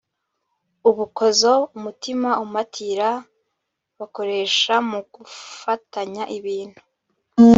ubukozo umuti umatira bakoresha mu gufatanya ibintu